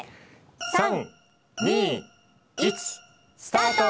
３２１スタート！